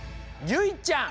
ゆいちゃん